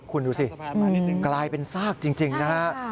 คุณดูสิกลายเป็นซากจริงนะฮะ